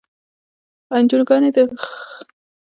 انجوګانې د خیرات او صدقو په مرستو خپل کارونه پر مخ بیایي.